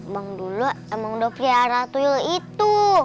bang dulo emang udah pria ratu yul itu